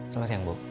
selamat siang bu